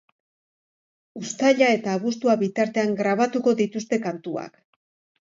Uztaila eta abuztua bitartean grabatuko dituzte kantuak.